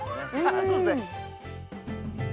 そうですね。